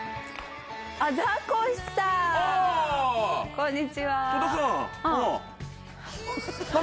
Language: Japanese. こんにちは。